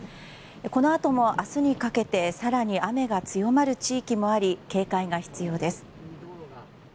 このあとも明日にかけて更に雨が強まる地域もあり警戒が必要です。